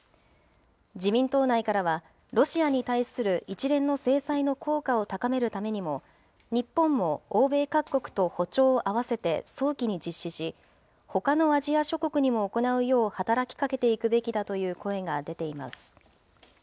自民党内からは、ロシアに対する一連の制裁の効果を高めるためにも、日本も欧米各国と歩調を合わせて早期に実施し、ほかのアジア諸国にも行うよう働きかけていくべきだという声が出ています。